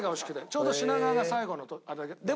ちょうど品川が最後のあれで。